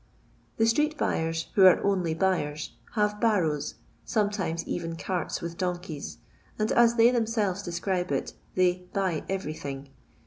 The street buyers, who are only buyers, hare barrows, sometimes even carts with donkeys, and, as they themselves describe it, they buy every thing."